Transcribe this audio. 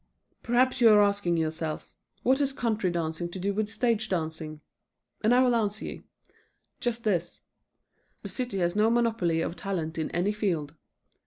Perhaps you are asking yourself, "What has country dancing to do with stage dancing?" And I will answer you: Just this: The city has no monopoly of talent in any field.